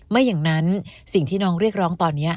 ไม่อย่างนั้นสิ่งที่น้องเรียกร้องตอนนี้